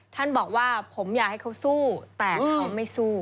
ท่านบอกว่าผมอยากให้เขาสู้แต่เขาไม่สู้